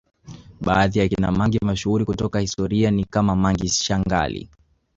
Baadhi ya akina mangi mashuhuri katika historia ni kama Mangi Shangali